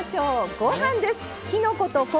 ご飯です。